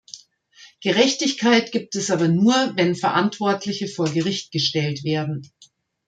Gerechtigkeit gibt es aber nur, wenn Verantwortliche vor Gericht gestellt werden.